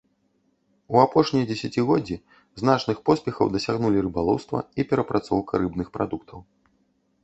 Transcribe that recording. У апошнія дзесяцігоддзі значных поспехаў дасягнулі рыбалоўства і перапрацоўка рыбных прадуктаў.